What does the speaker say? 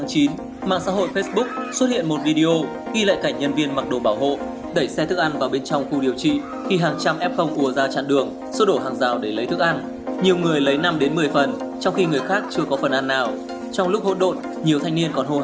tình trạng các f sô đổ hàng rào giành xuất ăn cho khu điều trị giã chiến cơ sở thới hòa thị xã bến cát đã được khắc phục